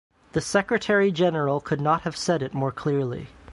The Secretary-General could not have said it more clearly.